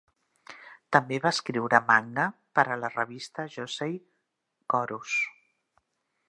També va escriure manga per a la revista josei "Chorus".